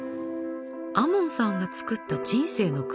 亞門さんが作った人生のグラフ？